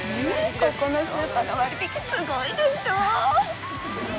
ここのスーパーの割引すごいでしょ？